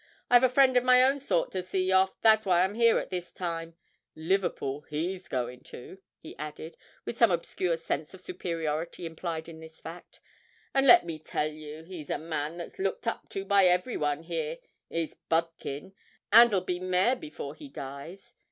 'I've a friend of my own to see off, that's why I'm here at this time (Liverpool he's goin' to),' he added, with some obscure sense of superiority implied in this fact; 'and let me tell you, he's a man that's looked up to by every one there, is Budkin, and'll be mayor before he dies!